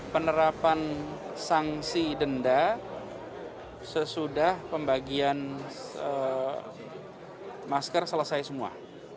penerapan sanksi denda sesudah pembagian masker selesai semua